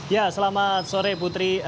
ya selamat sore putri